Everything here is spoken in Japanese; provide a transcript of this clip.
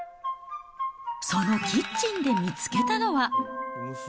そのキッチンで見つけたのは。